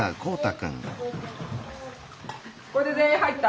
これで全員入った？